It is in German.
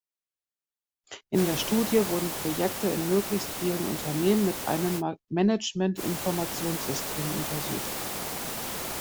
In der Studie wurden Projekte in möglichst vielen Unternehmen mit einem Management-Informationssystem untersucht.